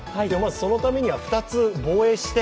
そのためには２つ防衛して。